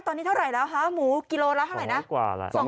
ตอนนี้เท่าไหร่แล้วคะหมูกิโลละเท่าไหร่นะ